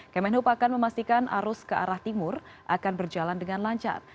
kemenhub akan memastikan arus ke arah timur akan berjalan dengan lancar